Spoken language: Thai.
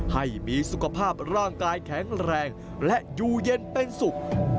ให้มีสุขภาพร่างกายแข็งแรงและอยู่เย็นเป็นสุข